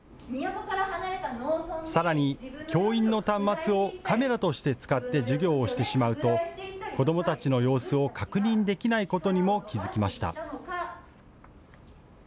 さらに教員の端末をカメラとして使って授業をしてしまうと子どもたちの様子を確認できないことにも気付きました。